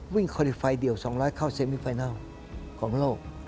วิ่งควอลิเฟย์เดียว๒๐๐เข้าเซมิไฟนัลของโลก